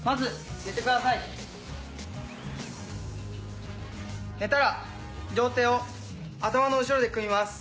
寝たら両手を頭の後ろで組みます。